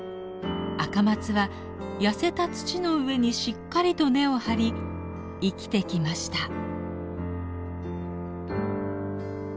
アカマツはやせた土の上にしっかりと根を張り生きてきました。